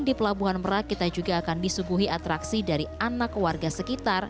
di pelabuhan merak kita juga akan disuguhi atraksi dari anak warga sekitar